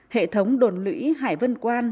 hệ thống đồn lũy hải vân quan